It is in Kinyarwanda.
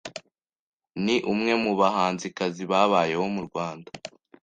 Ni umwe mu bahanzikazi babayeho mu Rwanda